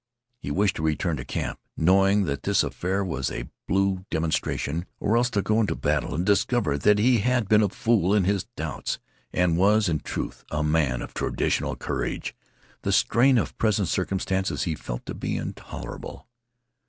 He wished to return to camp, knowing that this affair was a blue demonstration; or else to go into a battle and discover that he had been a fool in his doubts, and was, in truth, a man of traditional courage. The strain of present circumstances he felt to be intolerable.